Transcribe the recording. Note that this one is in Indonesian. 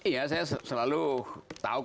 iya saya selalu tahu kesimpulan nusron